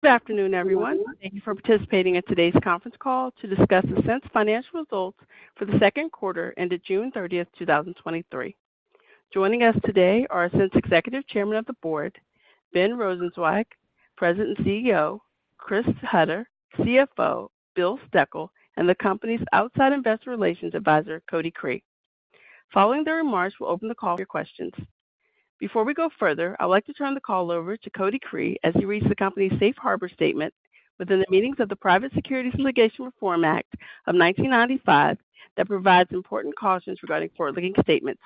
Good afternoon, everyone. Thank you for participating in today's conference call to discuss Ascent's financial results for the Q2 ended 30 June 2023. Joining us today are Ascent's Executive Chairman of the Board, Ben Rosenzweig; President and CEO, Chris Hutter; CFO, Bill Steckel, and the company's outside investor relations advisor, Cody Cree. Following the remarks, we'll open the call for your questions. Before we go further, I'd like to turn the call over to Cody Cree, as he reads the company's Safe Harbor statement within the meaning of the Private Securities Litigation Reform Act of 1995, that provides important cautions regarding forward-looking statements.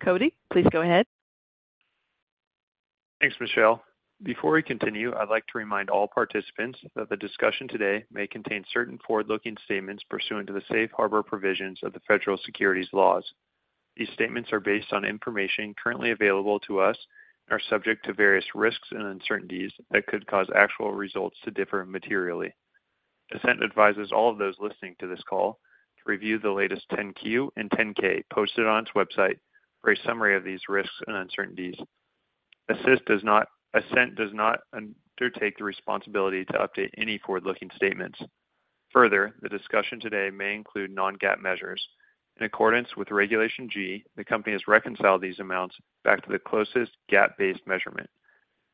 Cody, please go ahead. Thanks, Michelle. Before we continue, I'd like to remind all participants that the discussion today may contain certain forward-looking statements pursuant to the Safe Harbor provisions of the Federal Securities laws. These statements are based on information currently available to us, and are subject to various risks and uncertainties that could cause actual results to differ materially. Ascent advises all of those listening to this call to review the latest 10-Q and 10-K posted on its website for a summary of these risks and uncertainties. Ascent does not undertake the responsibility to update any forward-looking statements. Further, the discussion today may include non-GAAP measures. In accordance with Regulation G, the company has reconciled these amounts back to the closest GAAP-based measurement.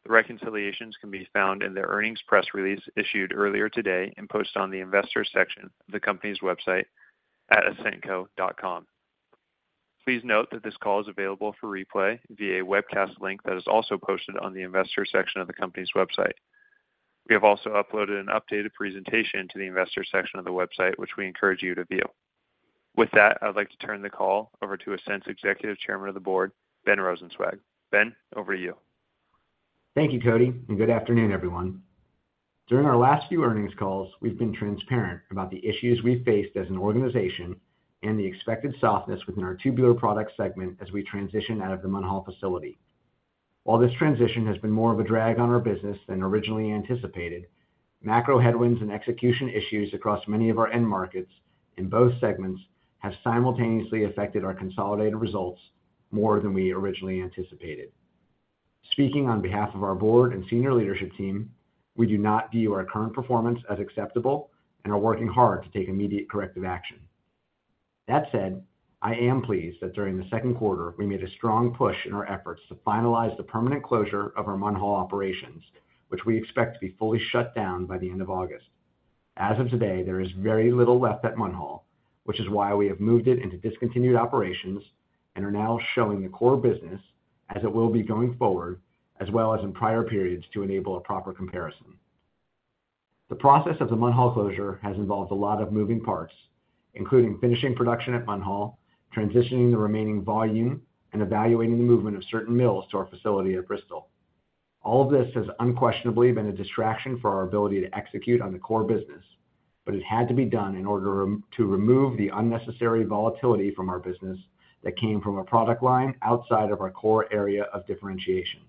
The reconciliations can be found in the earnings press release issued earlier today and posted on the Investors section of the company's website at ascentco.com. Please note that this call is available for replay via a webcast link that is also posted on the Investors section of the company's website. We have also uploaded an updated presentation to the Investors section of the website, which we encourage you to view. With that, I'd like to turn the call over to Ascent's Executive Chairman of the Board, Ben Rosenzweig. Ben, over to you. Thank you, Cody. Good afternoon, everyone. During our last few earnings calls, we've been transparent about the issues we faced as an organization and the expected softness within our Tubular Products segment as we transition out of the Munhall facility. While this transition has been more of a drag on our business than originally anticipated, macro headwinds and execution issues across many of our end markets in both segments have simultaneously affected our consolidated results more than we originally anticipated. Speaking on behalf of our board and senior leadership team, we do not view our current performance as acceptable and are working hard to take immediate corrective action. That said, I am pleased that during the Q2, we made a strong push in our efforts to finalize the permanent closure of our Munhall operations, which we expect to be fully shut down by the end of August. As of today, there is very little left at Munhall, which is why we have moved it into discontinued operations and are now showing the core business as it will be going forward, as well as in prior periods, to enable a proper comparison. The process of the Munhall closure has involved a lot of moving parts, including finishing production at Munhall, transitioning the remaining volume, and evaluating the movement of certain mills to our facility at Bristol. All of this has unquestionably been a distraction for our ability to execute on the core business, but it had to be done in order to remove the unnecessary volatility from our business that came from a product line outside of our core area of differentiation.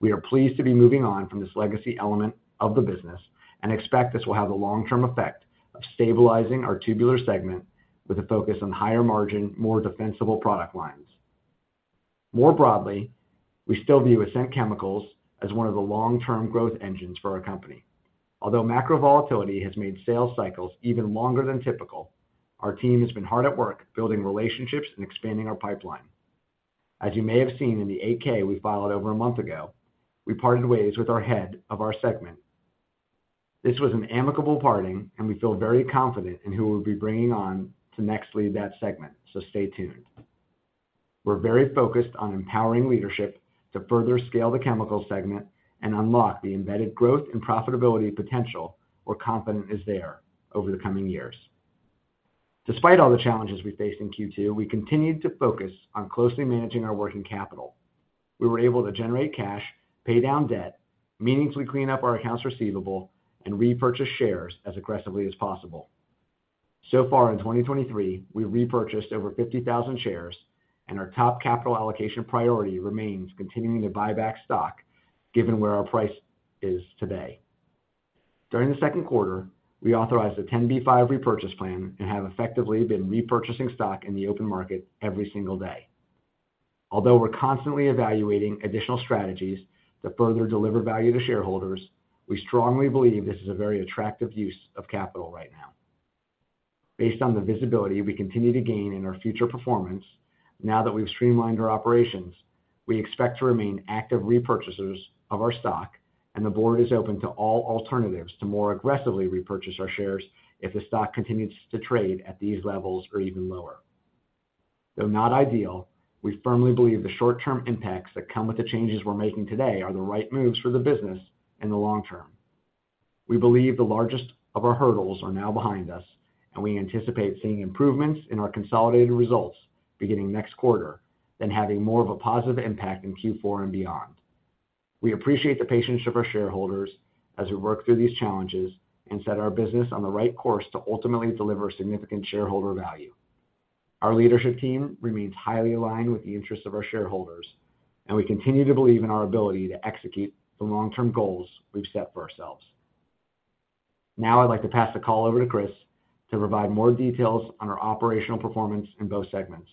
We are pleased to be moving on from this legacy element of the business and expect this will have a long-term effect of stabilizing our Tubular segment with a focus on higher margin, more defensible product lines. More broadly, we still view Ascent Chemicals as one of the long-term growth engines for our company. Although macro volatility has made sales cycles even longer than typical, our team has been hard at work building relationships and expanding our pipeline. As you may have seen in the 8-K we filed over a month ago, we parted ways with our head of our segment. This was an amicable parting, we feel very confident in who we'll be bringing on to next lead that segment. Stay tuned. We're very focused on empowering leadership to further scale the Chemical segment and unlock the embedded growth and profitability potential we're confident is there over the coming years. Despite all the challenges we faced in Q2, we continued to focus on closely managing our working capital. We were able to generate cash, pay down debt, meaningfully clean up our accounts receivable, and repurchase shares as aggressively as possible. So far in 2023, we've repurchased over 50,000 shares, and our top capital allocation priority remains continuing to buy back stock, given where our price is today. During the Q2, we authorized a 10b5-1 repurchase plan and have effectively been repurchasing stock in the open market every single day. Although we're constantly evaluating additional strategies to further deliver value to shareholders, we strongly believe this is a very attractive use of capital right now. Based on the visibility we continue to gain in our future performance, now that we've streamlined our operations, we expect to remain active repurchasers of our stock, and the board is open to all alternatives to more aggressively repurchase our shares if the stock continues to trade at these levels or even lower. Though not ideal, we firmly believe the short-term impacts that come with the changes we're making today are the right moves for the business in the long term. We believe the largest of our hurdles are now behind us, and we anticipate seeing improvements in our consolidated results beginning next quarter, then having more of a positive impact in Q4 and beyond. We appreciate the patience of our shareholders as we work through these challenges and set our business on the right course to ultimately deliver significant shareholder value. Our leadership team remains highly aligned with the interests of our shareholders, and we continue to believe in our ability to execute the long-term goals we've set for ourselves. Now I'd like to pass the call over to Chris to provide more details on our operational performance in both segments,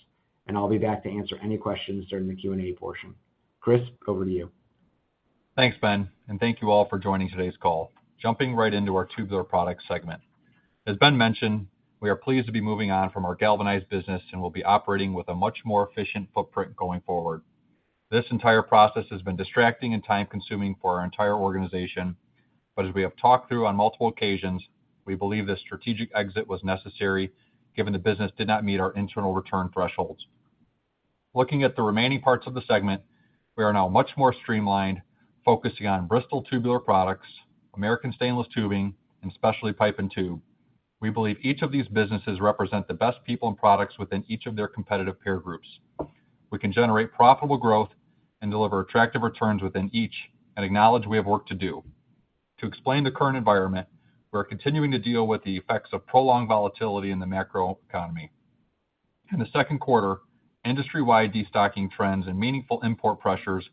and I'll be back to answer any questions during the Q&A portion. Chris, over to you. Thanks, Ben. Thank you all for joining today's call. Jumping right into our Tubular Products segment. As Ben mentioned, we are pleased to be moving on from our galvanized business, and we'll be operating with a much more efficient footprint going forward. This entire process has been distracting and time-consuming for our entire organization, but as we have talked through on multiple occasions, we believe this strategic exit was necessary, given the business did not meet our internal return thresholds. Looking at the remaining parts of the segment, we are now much more streamlined, focusing on Bristol Tubular Products, American Stainless Tubing, and Specialty Pipe and Tube. We believe each of these businesses represent the best people and products within each of their competitive peer groups. We can generate profitable growth and deliver attractive returns within each and acknowledge we have work to do. To explain the current environment, we are continuing to deal with the effects of prolonged volatility in the macro economy. In the Q2, industry-wide destocking trends and meaningful import pressures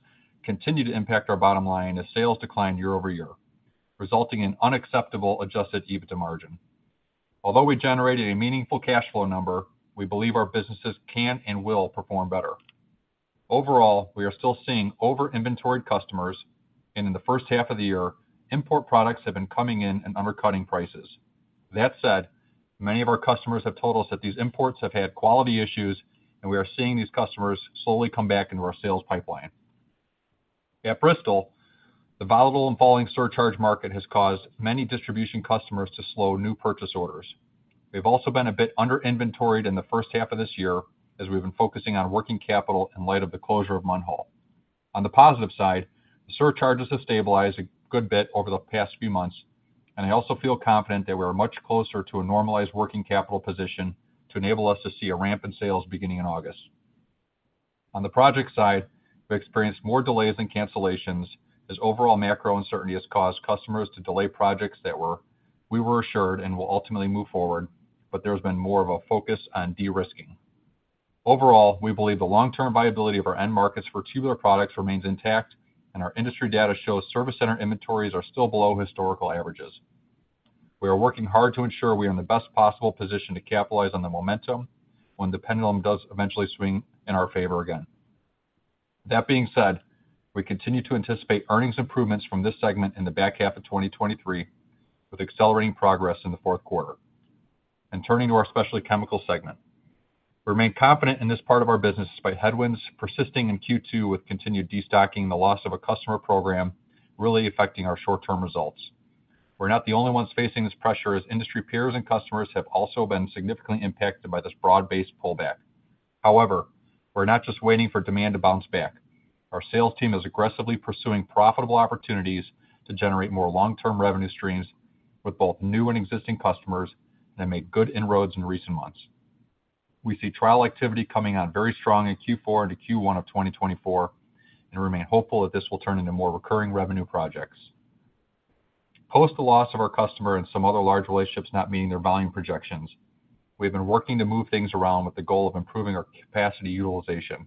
continued to impact our bottom line as sales declined year-over-year, resulting in unacceptable adjusted EBITDA margin. Although we generated a meaningful cash flow number, we believe our businesses can and will perform better. Overall, we are still seeing over-inventoried customers, and in the first half of the year, import products have been coming in and undercutting prices. That said, many of our customers have told us that these imports have had quality issues, and we are seeing these customers slowly come back into our sales pipeline. At Bristol, the volatile and falling surcharge market has caused many distribution customers to slow new purchase orders. We've also been a bit under-inventoried in the first half of this year, as we've been focusing on working capital in light of the closure of Munhall. On the positive side, the surcharges have stabilized a good bit over the past few months. I also feel confident that we are much closer to a normalized working capital position to enable us to see a ramp in sales beginning in August. On the project side, we've experienced more delays and cancellations, as overall macro uncertainty has caused customers to delay projects that we were assured and will ultimately move forward. There's been more of a focus on de-risking. Overall, we believe the long-term viability of our end markets for tubular products remains intact. Our industry data shows service center inventories are still below historical averages. We are working hard to ensure we are in the best possible position to capitalize on the momentum when the pendulum does eventually swing in our favor again. That being said, we continue to anticipate earnings improvements from this segment in the back half of 2023, with accelerating progress in the Q4. Turning to our Specialty Chemicals segment. We remain confident in this part of our business, despite headwinds persisting in Q2, with continued destocking, the loss of a customer program really affecting our short-term results. We're not the only ones facing this pressure, as industry peers and customers have also been significantly impacted by this broad-based pullback. However, we're not just waiting for demand to bounce back. Our sales team is aggressively pursuing profitable opportunities to generate more long-term revenue streams with both new and existing customers and make good inroads in recent months. We see trial activity coming on very strong in Q4 into Q1 of 2024 and remain hopeful that this will turn into more recurring revenue projects. Post the loss of our customer and some other large relationships not meeting their volume projections, we have been working to move things around with the goal of improving our capacity utilization.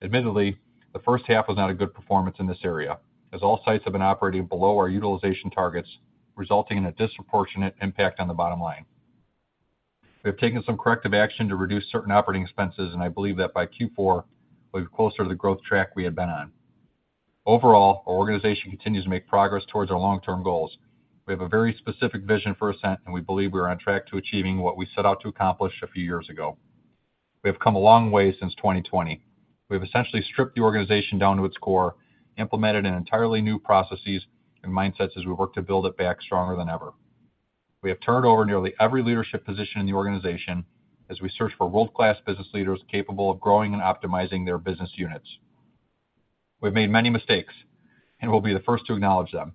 Admittedly, the first half was not a good performance in this area, as all sites have been operating below our utilization targets, resulting in a disproportionate impact on the bottom line. We have taken some corrective action to reduce certain operating expenses, and I believe that by Q4, we'll be closer to the growth track we had been on. Overall, our organization continues to make progress towards our long-term goals. We have a very specific vision for Ascent, and we believe we are on track to achieving what we set out to accomplish a few years ago. We have come a long way since 2020. We've essentially stripped the organization down to its core, implemented an entirely new processes and mindsets as we work to build it back stronger than ever. We have turned over nearly every leadership position in the organization as we search for world-class business leaders capable of growing and optimizing their business units. We've made many mistakes, and we'll be the first to acknowledge them.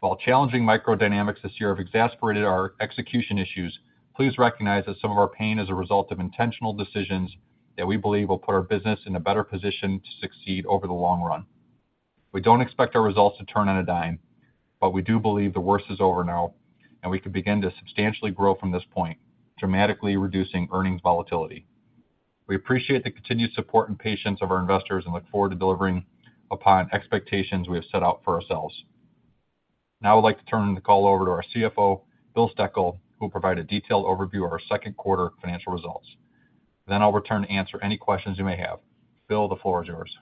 While challenging microdynamics this year have exasperated our execution issues, please recognize that some of our pain is a result of intentional decisions that we believe will put our business in a better position to succeed over the long run. We don't expect our results to turn on a dime, but we do believe the worst is over now, and we can begin to substantially grow from this point, dramatically reducing earnings volatility. We appreciate the continued support and patience of our investors and look forward to delivering upon expectations we have set out for ourselves. Now I'd like to turn the call over to our CFO, Bill Steckel, who will provide a detailed overview of our Q2 financial results. I'll return to answer any questions you may have. Bill, the floor is yours.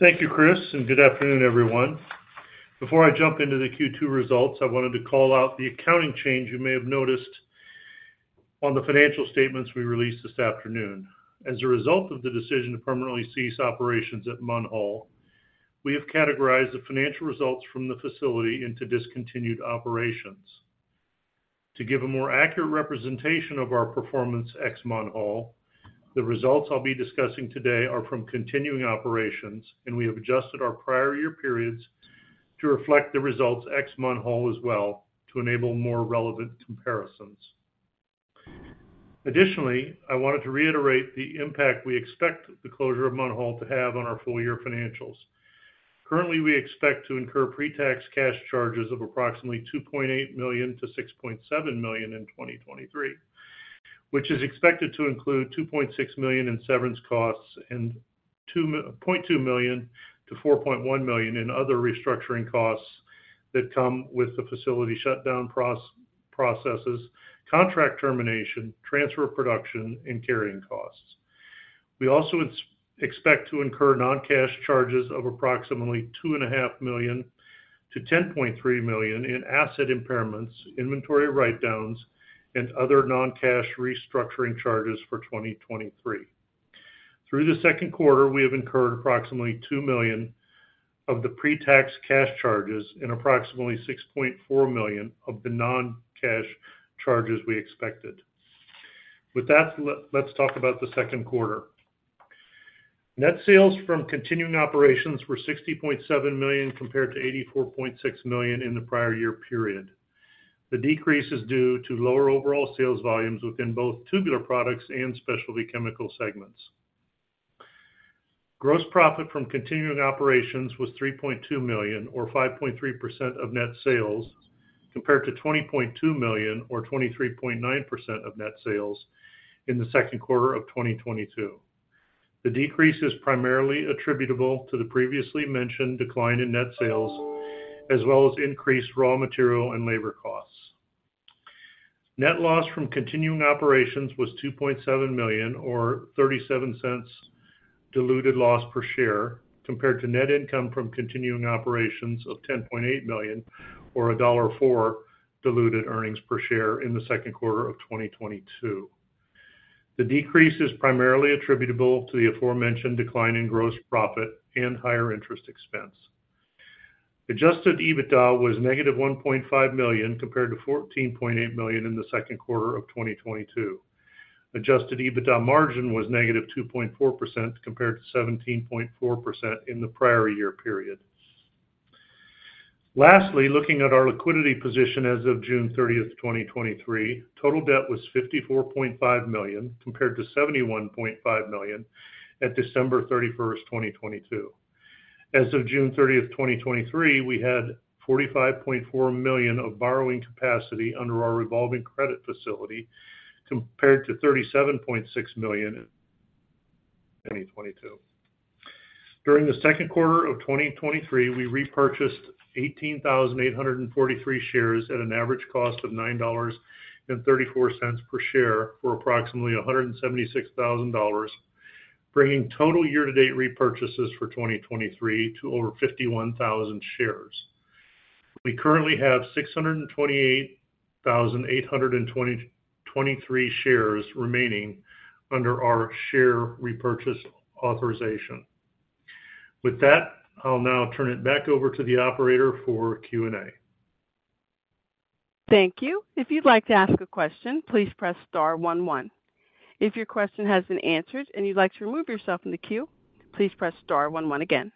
Thank you, Chris. Good afternoon, everyone. Before I jump into the Q2 results, I wanted to call out the accounting change you may have noticed on the financial statements we released this afternoon. As a result of the decision to permanently cease operations at Munhall, we have categorized the financial results from the facility into discontinued operations. To give a more accurate representation of our performance ex Munhall, the results I'll be discussing today are from continuing operations. We have adjusted our prior year periods to reflect the results ex Munhall as well, to enable more relevant comparisons. Additionally, I wanted to reiterate the impact we expect the closure of Munhall to have on our full-year financials. Currently, we expect to incur pre-tax cash charges of approximately $2.8 million-$6.7 million in 2023. which is expected to include $2.6 million in severance costs and $2.2 million-$4.1 million in other restructuring costs that come with the facility shutdown processes, contract termination, transfer of production, and carrying costs. We also expect to incur non-cash charges of approximately $2.5 million-$10.3 million in asset impairments, inventory write-downs, and other non-cash restructuring charges for 2023. Through the Q2, we have incurred approximately $2 million of the pretax cash charges and approximately $6.4 million of the non-cash charges we expected. With that, let's talk about the Q2. Net sales from continuing operations were $60.7 million, compared to $84.6 million in the prior year period. The decrease is due to lower overall sales volumes within both Tubular Products and Specialty Chemical segments. Gross profit from continuing operations was $3.2 million or 5.3% of net sales, compared to $20.2 million or 23.9% of net sales in the Q2 of 2022. The decrease is primarily attributable to the previously mentioned decline in net sales, as well as increased raw material and labor costs. Net loss from continuing operations was $2.7 million or $0.37 diluted loss per share, compared to net income from continuing operations of $10.8 million or $1.04 diluted earnings per share in the Q2 of 2022. The decrease is primarily attributable to the aforementioned decline in gross profit and higher interest expense. Adjusted EBITDA was negative $1.5 million, compared to $14.8 million in the Q2 of 2022. Adjusted EBITDA margin was -2.4%, compared to 17.4% in the prior year period. Lastly, looking at our liquidity position as of June 30, 2023, total debt was $54.5 million, compared to $71.5 million at December 31, 2022. As of June 30, 2023, we had $45.4 million of borrowing capacity under our revolving credit facility, compared to $37.6 million in 2022. During the Q2 of 2023, we repurchased 18,843 shares at an average cost of $9.34 per share for approximately $176,000, bringing total year-to-date repurchases for 2023 to over 51,000 shares. We currently have 628,823 shares remaining under our share repurchase authorization. With that, I'll now turn it back over to the operator for Q&A. Thank you. If you'd like to ask a question, please press star one, one. If your question has been answered and you'd like to remove yourself from the queue, please press star one, one again.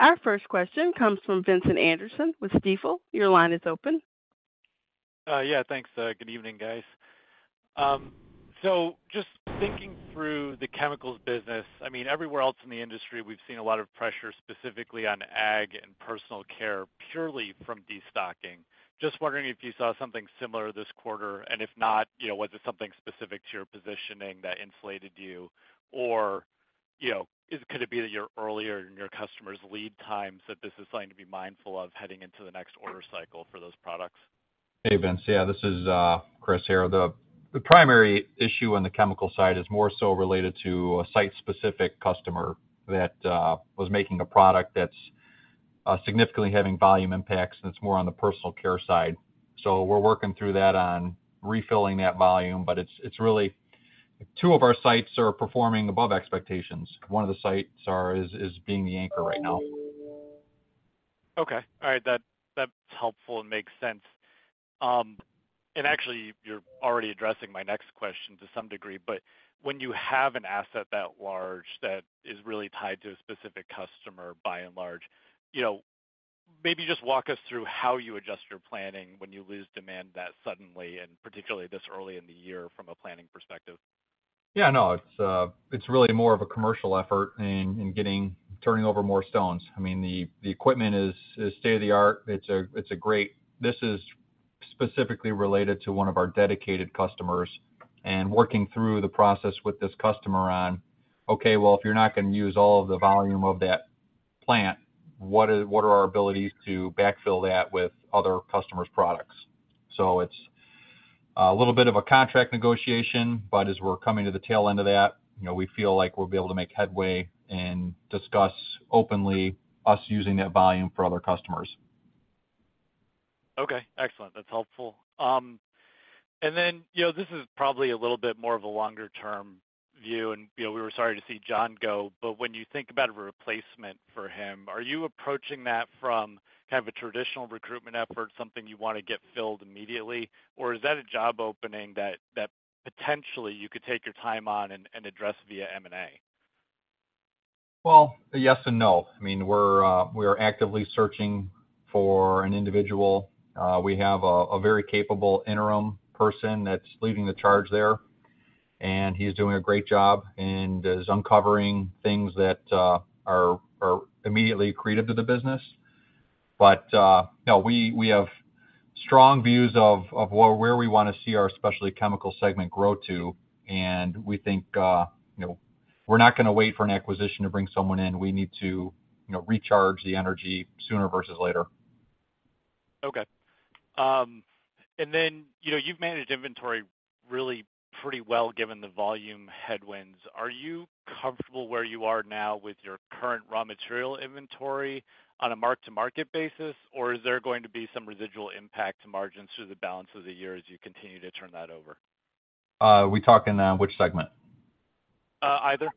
Our first question comes from Vincent Anderson with Stifel. Your line is open. Yeah, thanks. Good evening, guys. Just thinking through the chemicals business, I mean, everywhere else in the industry, we've seen a lot of pressure, specifically on ag and personal care, purely from destocking. Just wondering if you saw something similar this quarter, and if not was it something specific to your positioning that insulated you? or could it be that you're earlier in your customers' lead times, that this is something to be mindful of heading into the next order cycle for those products? Hey, Vince. Yeah, this is Chris here. The primary issue on the chemical side is more so related to a site-specific customer that was making a product that's significantly having volume impacts, and it's more on the personal care side. We're working through that on refilling that volume, but it's, it's really... Two of our sites are performing above expectations. One of the sites is being the anchor right now. Okay, all right. That, that's helpful and makes sense. Actually, you're already addressing my next question to some degree, but when you have an asset that large that is really tied to a specific customer, by and large maybe just walk us through how you adjust your planning when you lose demand that suddenly, and particularly this early in the year, from a planning perspective. Yeah, no, it's, it's really more of a commercial effort in turning over more stones. I mean, the equipment is state-of-the-art. This is specifically related to one of our dedicated customers and working through the process with this customer on: okay, well, if you're not going to use all of the volume of that plant, what are, what are our abilities to backfill that with other customers' products? It's a little bit of a contract negotiation, but as we're coming to the tail end of that we feel like we'll be able to make headway and discuss openly us using that volume for other customers. Okay, excellent. That's helpful. then this is probably a little bit more of a longer-term view, and we were sorry to see John go. When you think about a replacement for him, are you approaching that from kind of a traditional recruitment effort, something you want to get filled immediately? Is that a job opening that potentially you could take your time on and address via M&A? Well, yes and no. I mean, we're, we are actively searching for an individual. We have a, a very capable interim person that's leading the charge there, and he's doing a great job and is uncovering things that are, are immediately accretive to the business. No, we, we have strong views of, of where, where we want to see our Specialty Chemicals segment grow to, and we think we're not going to wait for an acquisition to bring someone in. We need to recharge the energy sooner versus later. Okay. , you've managed inventory really pretty well, given the volume headwinds. Are you comfortable where you are now with your current raw material inventory on a mark-to-market basis? Is there going to be some residual impact to margins through the balance of the year as you continue to turn that over? We talking on which segment? Either.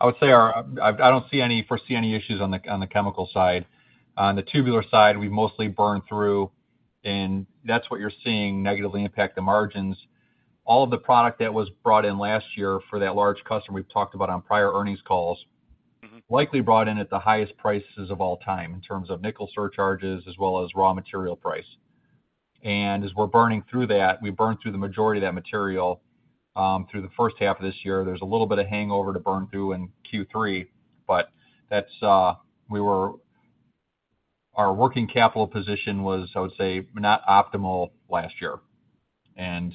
I, I don't see any, foresee any issues on the, on the chemical side. On the tubular side, we mostly burned through. That's what you're seeing negatively impact the margins. All of the product that was brought in last year for that large customer we've talked about on prior earnings calls. Mm-hmm. likely brought in at the highest prices of all time in terms of nickel surcharges as well as raw material price. As we're burning through that, we burned through the majority of that material through the first half of this year. There's a little bit of hangover to burn through in Q3. Our working capital position was, I would say, not optimal last year, and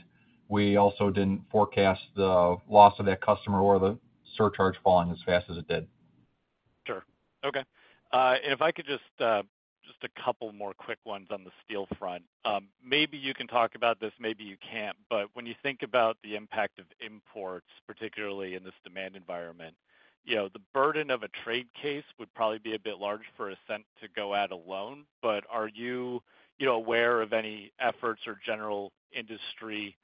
we also didn't forecast the loss of that customer or the surcharge falling as fast as it did. Sure. Okay. If I could just a couple more quick ones on the steel front. Maybe you can talk about this, maybe you can't. When you think about the impact of imports, particularly in this demand environment the burden of a trade case would probably be a bit large for Ascent to go at alone. Are you aware of any efforts or general industry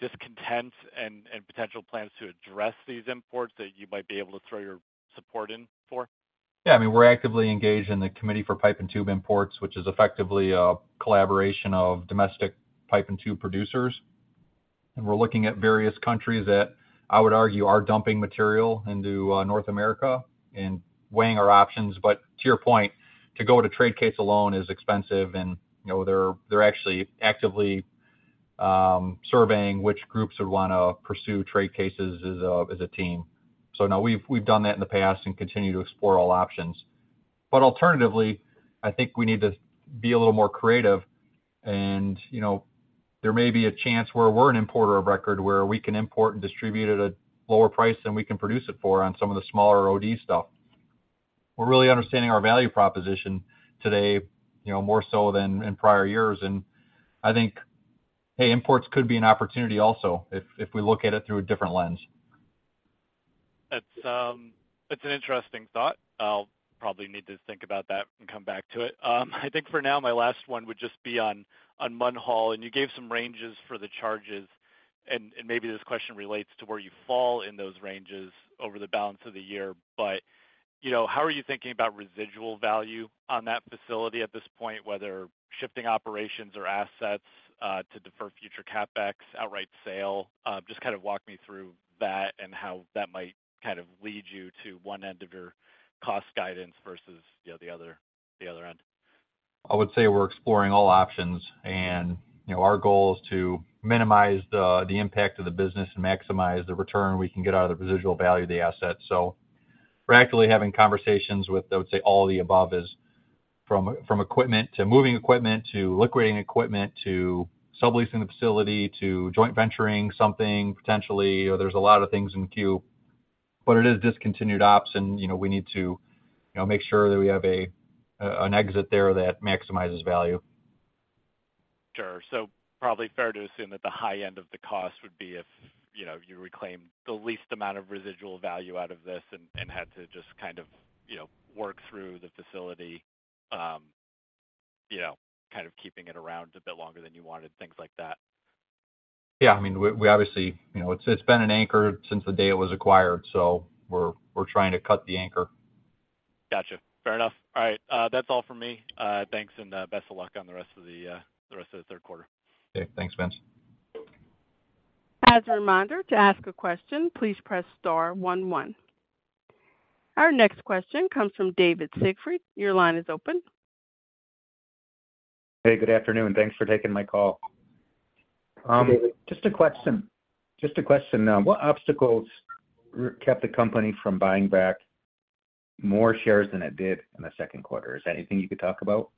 discontents and, and potential plans to address these imports that you might be able to throw your support in for? Yeah, I mean, we're actively engaged in the Committee on Pipe and Tube Imports, which is effectively a collaboration of domestic pipe and tube producers. We're looking at various countries that I would argue, are dumping material into North America and weighing our options. To your point, to go to trade case alone is expensive, and, they're actually actively surveying which groups would want to pursue trade cases as a team. No, we've done that in the past and continue to explore all options. Alternatively, I think we need to be a little more creative, and, there may be a chance where we're an importer of record, where we can import and distribute at a lower price than we can produce it for on some of the smaller OD stuff. We're really understanding our value proposition today more so than in prior years. I think, hey, imports could be an opportunity also, if, if we look at it through a different lens. That's, that's an interesting thought. I'll probably need to think about that and come back to it. I think for now, my last one would just be on, on Munhall, and you gave some ranges for the charges, and, and maybe this question relates to where you fall in those ranges over the balance of the year., how are you thinking about residual value on that facility at this point, whether shifting operations or assets, to defer future CapEx, outright sale? Just kind of walk me through that and how that might kind of lead you to one end of your cost guidance versus the other, the other end. I would say we're exploring all options, and our goal is to minimize the, the impact of the business and maximize the return we can get out of the residual value of the asset. We're actively having conversations with, I would say, all the above is from equipment to moving equipment to liquidating equipment, to subleasing the facility, to joint venturing something potentially. There's a lot of things in queue, but it is discontinued ops, and we need to make sure that we have a, an exit there that maximizes value. Sure. Probably fair to assume that the high end of the cost would be if you reclaimed the least amount of residual value out of this and, and had to just kind of work through the facility kind of keeping it around a bit longer than you wanted, things like that. Yeah. I mean, we obviously... it's been an anchor since the day it was acquired, so we're, we're trying to cut the anchor. Gotcha. Fair enough. All right, that's all from me. Thanks, and best of luck on the rest of the rest of the Q3. Okay, thanks, Vince. As a reminder, to ask a question, please press Star one one. Our next question comes from David Siegfried. Your line is open. Hey, good afternoon, and thanks for taking my call. Hey, David. Just a question. What obstacles kept the company from buying back more shares than it did in the Q2? Is there anything you could talk about?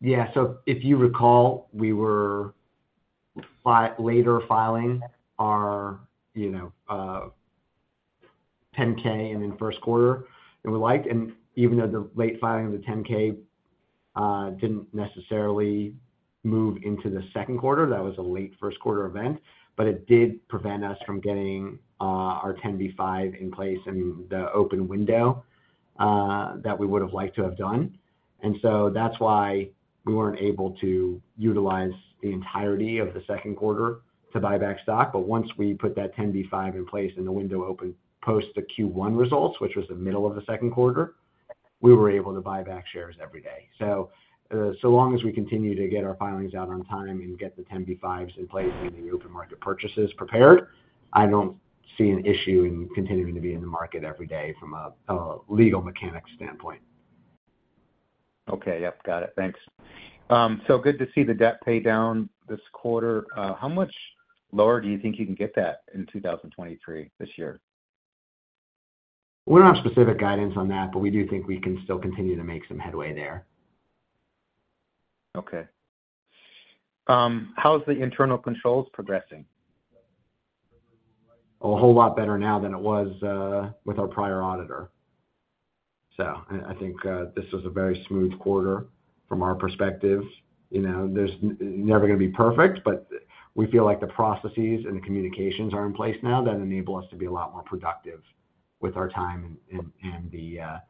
Yeah. If you recall, we were later filing our 10-K in Q1 than we liked. Even though the late filing of the 10-K didn't necessarily move into the Q2, that was a late Q1 event, but it did prevent us from getting our 10b5-1 in place in the open window that we would have liked to have done. That's why we weren't able to utilize the entirety of the Q2 to buy back stock. Once we put that 10b5-1 in place and the window opened, post the Q1 results, which was the middle of the Q2, we were able to buy back shares every day. so long as we continue to get our filings out on time and get the 10b5-1s in place and the open market purchases prepared, I don't see an issue in continuing to be in the market every day from a, a legal mechanic standpoint. Okay. Yep, got it. Thanks. Good to see the debt pay down this quarter. How much lower do you think you can get that in 2023, this year? We don't have specific guidance on that, but we do think we can still continue to make some headway there. Okay. How is the internal controls progressing? A whole lot better now than it was with our prior auditor. I, I think, this was a very smooth quarter from our perspective., there's never gonna be perfect, but we feel like the processes and the communications are in place now that enable us to be a lot more productive with our time and, and, and the, the,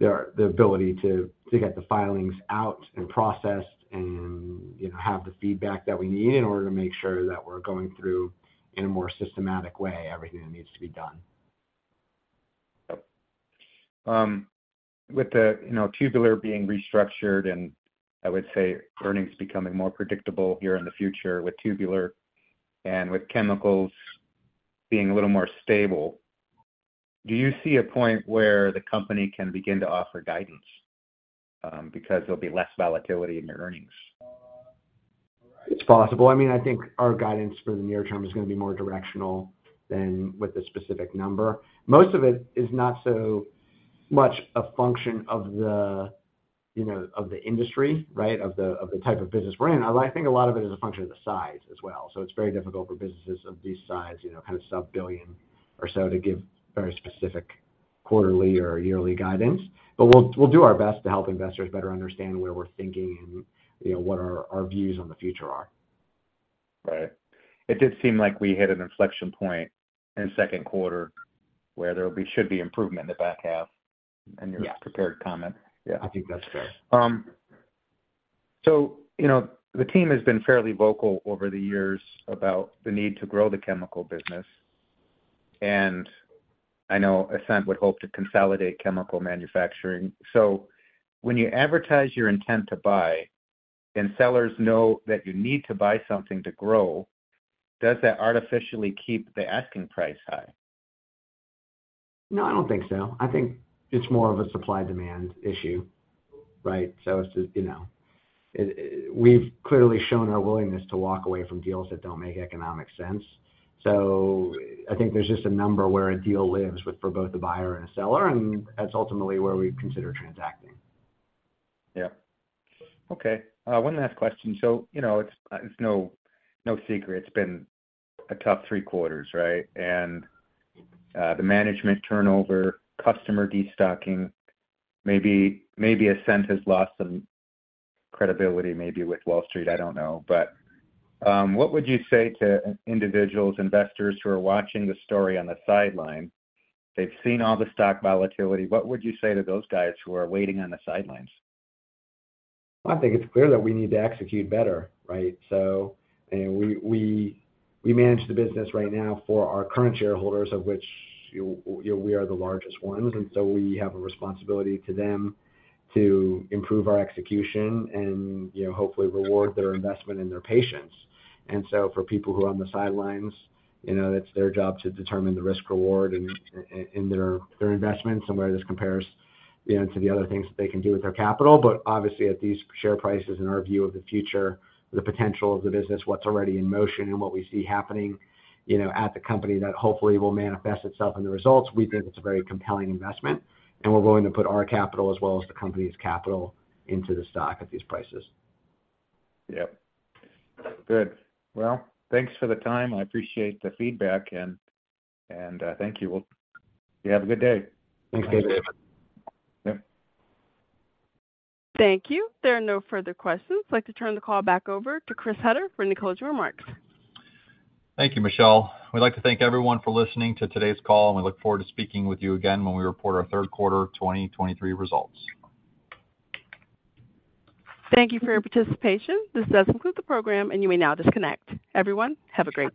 the ability to, to get the filings out and processed and have the feedback that we need in order to make sure that we're going through, in a more systematic way, everything that needs to be done. With the Tubular being restructured, and I would say earnings becoming more predictable here in the future with Tubular and with Chemicals being a little more stable, do you see a point where the company can begin to offer guidance, because there'll be less volatility in your earnings? It's possible. I mean, I think our guidance for the near term is gonna be more directional than with a specific number. Most of it is not so much a function of the of the industry, right? Of the, of the type of business we're in. I think a lot of it is a function of the size as well. It's very difficult for businesses of this size kind of sub-$1 billion or so, to give very specific quarterly or yearly guidance. We'll, we'll do our best to help investors better understand where we're thinking and what our, our views on the future are. Right. It did seem like we hit an inflection point in the Q2, where there should be improvement in the back half. Yeah. -in your prepared comment. Yeah, I think that's fair., the team has been fairly vocal over the years about the need to grow the chemical business, and I know Ascent would hope to consolidate chemical manufacturing. When you advertise your intent to buy and sellers know that you need to buy something to grow, does that artificially keep the asking price high? No, I don't think so. I think it's more of a supply-demand issue, right? It's just,. We've clearly shown our willingness to walk away from deals that don't make economic sense. I think there's just a number where a deal lives with, for both the buyer and the seller, and that's ultimately where we consider transacting. Yeah. Okay, one last question. it's no secret it's been a tough Q3, right? The management turnover, customer destocking, maybe, maybe Ascent has lost some credibility, maybe with Wall Street, I don't know. What would you say to individuals, investors who are watching the story on the sideline? They've seen all the stock volatility. What would you say to those guys who are waiting on the sidelines? I think it's clear that we need to execute better, right? We, we, we manage the business right now for our current shareholders, of which, you we are the largest ones, we have a responsibility to them to improve our execution and hopefully reward their investment and their patience. For people who are on the sidelines it's their job to determine the risk-reward in their investments and where this compares to the other things that they can do with their capital. Obviously, at these share prices and our view of the future, the potential of the business, what's already in motion and what we see happening at the company, that hopefully will manifest itself in the results, we think it's a very compelling investment, and we're willing to put our capital as well as the company's capital into the stock at these prices. Yep. Good. Well, thanks for the time. I appreciate the feedback, and thank you. Well, you have a good day. Thanks, David. Yep. Thank you. There are no further questions. I'd like to turn the call back over to Chris Hutter for any closing remarks. Thank you, Michelle. We'd like to thank everyone for listening to today's call, and we look forward to speaking with you again when we report our Q3 2023 results. Thank you for your participation. This does conclude the program, and you may now disconnect. Everyone, have a great day.